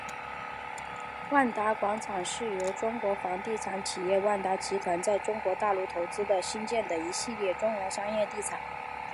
万达广场是由中国房地产企业万达集团在中国大陆投资兴建的一系列综合商业地产。